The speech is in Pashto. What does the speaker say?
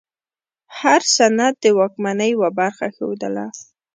هر سند د واکمنۍ یوه برخه ښودله.